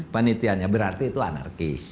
panitianya berarti itu anarkis